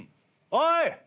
おい！